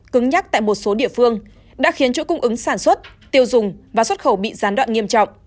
cứng nhắc tại một số địa phương đã khiến chuỗi cung ứng sản xuất tiêu dùng và xuất khẩu bị gián đoạn nghiêm trọng